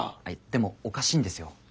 でもおかしいんですよ。